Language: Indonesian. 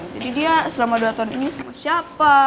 jadi dia selama dua tahun ini sama siapa